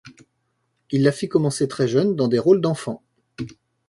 Il la fit commencer très jeune dans des rôles d'enfant.